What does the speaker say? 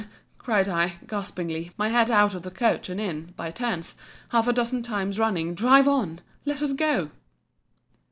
—Man!—cried I, gaspingly, my head out of the coach and in, by turns, half a dozen times running, drive on!—Let us go!